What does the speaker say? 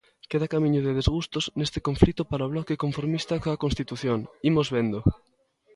Queda camiño de desgustos neste conflito para o bloque conformista coa constitución, imos vendo.